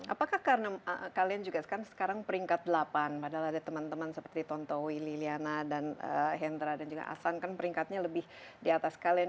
apakah karena kalian juga sekarang peringkat delapan padahal ada teman teman seperti tontowi liliana dan hendra dan juga asan kan peringkatnya lebih di atas kalian